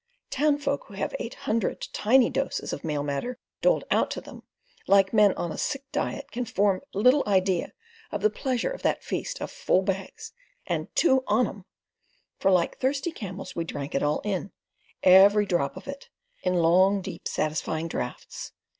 Townsfolk who have eight hundred tiny doses of mail matter doled out to them, like men on sick diet can form little idea of the pleasure of that feast of "full bags and two on 'em," for like thirsty camels we drank it all in—every drop of it—in long, deep, satisfying draughts.